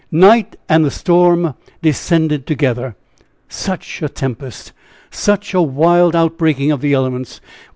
Night and the storm descended together such a tempest! such a wild outbreaking of the elements!